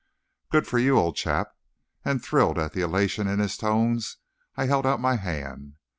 "Good for you, old chap," and thrilled at the elation in his tones, I held out my hand.